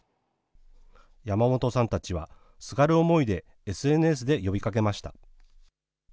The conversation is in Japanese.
山本さんたちは、すがる思いでＳＮＳで呼びかけました。